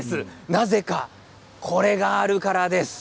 なぜかこれがあるからです。